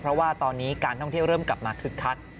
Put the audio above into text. เพราะว่าตอนนี้การท่องเที่ยวเริ่มกลับมาคึกคัก